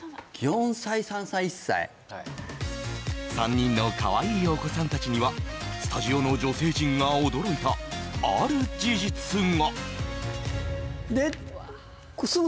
３人のかわいいお子さんたちにはスタジオの女性陣たちが驚いたある事実が。